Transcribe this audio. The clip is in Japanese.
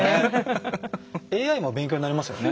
ＡＩも勉強になりますよね。